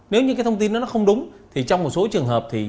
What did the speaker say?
nếu những thông tin đó không đúng thì trong một số trường hợp